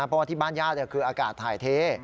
เพราะว่าที่บ้านญาติคืออากาศถ่ายเท